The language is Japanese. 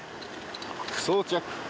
装着。